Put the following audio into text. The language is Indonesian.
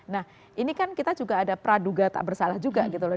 nah ini kan kita juga ada praduga tak bersalah juga gitu loh